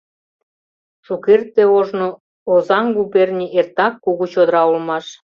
Шукерте ожно Озаҥ губерний эртак кугу чодыра улмаш.